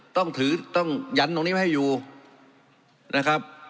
ต้องถือต้องยันตรงนี้ไว้ให้อยู่นะครับ